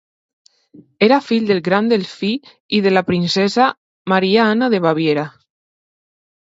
Era fill del Gran Delfí i de la princesa Maria Anna de Baviera.